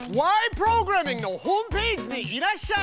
プログラミング」のホームページにいらっしゃい！